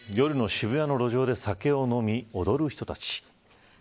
夜の渋谷の路上で酒を飲み、踊る人たち。